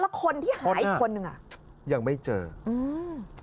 แล้วคนที่หายอีกคนนึงอ่ะยังไม่เจออืม